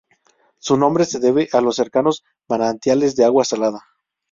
Su nombre se debe a los cercanos manantiales de agua salada.